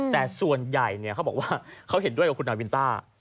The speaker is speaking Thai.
แต่ส่วนใหญ่เขาบอกว่าเขาเห็นด้วยกับคุณนาวินต้า